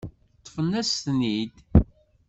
Ṭṭfen-asent-ten-id.